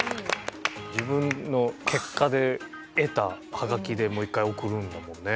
自分の結果で得たハガキでもう１回送るんだもんね。